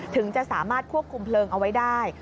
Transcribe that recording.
ถึงจะสามารถควบคุมเพลิงเอาไว้ได้